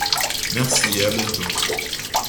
Merci! Et à bientôt!